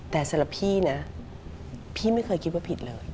แต่สำหรับพี่นะพี่ไม่เคยคิดว่าผิดเลย